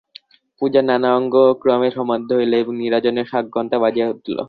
পূজার নানা অঙ্গ ক্রমে সমাধা হইল এবং নীরাজনের শাঁক-ঘণ্টা বাজিয়া উঠিল।